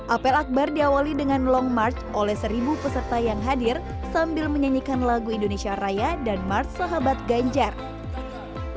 apel akbar diawali dengan long march oleh seribu peserta yang hadir sambil menyanyikan lagu indonesia raya dan mars sahabat ganjar